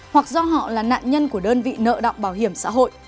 hoặc do họ là nạn nhân của đơn vị nợ động bảo hiểm xã hội